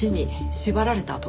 縛られた痕？